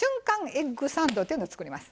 エッグサンドっていうのを作ります。